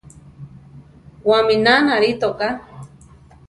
Wamína narí toká.